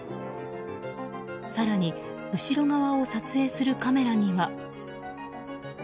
更に後ろ側を撮影するカメラには。